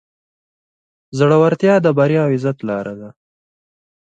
زړورتیا د بریا او عزت لاره ده.